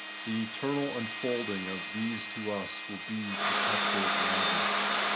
The eternal unfolding of these to us will be perpetual gladness.